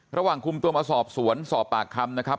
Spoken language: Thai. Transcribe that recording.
ระหว่างคุมตัวมาสอบสวนสอบปากคำนะครับ